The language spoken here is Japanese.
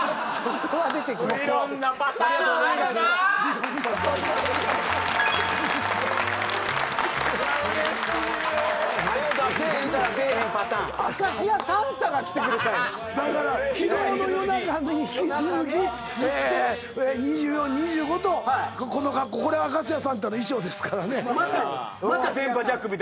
これ『明石家サンタ』の衣装ですからね。